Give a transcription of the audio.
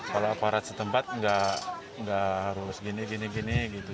kalau aparat setempat nggak harus gini gini gitu